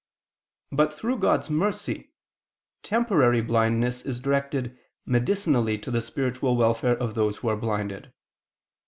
But, through God's mercy, temporary blindness is directed medicinally to the spiritual welfare of those who are blinded.